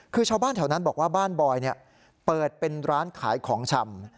คือชาวบ้านแถวนั้นบอกว่าบ้านบอยเปิดเป็นร้านขายของชำ